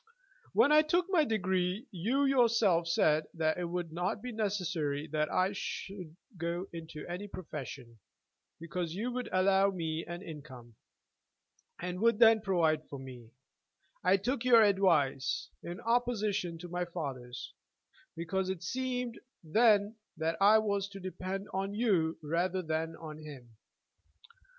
"When I took my degree you yourself said that it would not be necessary that I should go into any profession, because you would allow me an income, and would then provide for me, I took your advice in opposition to my father's, because it seemed then that I was to depend on you rather than on him.